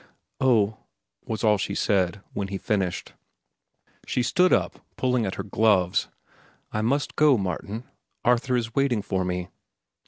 "Oh," was all she said, when he finished. She stood up, pulling at her gloves. "I must go, Martin. Arthur is waiting for me."